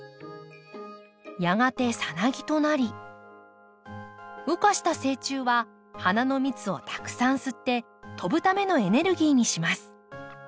やがてさなぎとなり羽化した成虫は花の蜜をたくさん吸って飛ぶためのエネルギーにします。